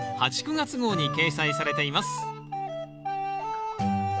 ９月号に掲載されています